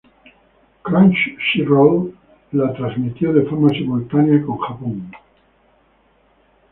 Crunchyroll la transmitió de forma simultánea con Japón.